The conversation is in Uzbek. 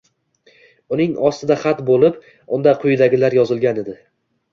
Uning ostida xat bo`lib unda quyidagilar yozilgan edi